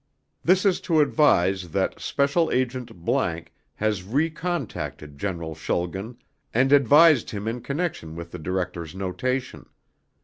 This is to advise that Special Agent ____ has recontacted General Schulgen and advised him in connection with the Director's notation.